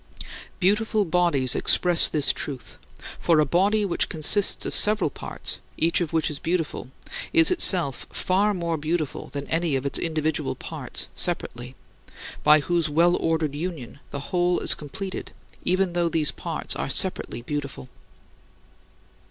Beautiful bodies express this truth; for a body which consists of several parts, each of which is beautiful, is itself far more beautiful than any of its individual parts separately, by whose well ordered union the whole is completed even though these parts are separately beautiful.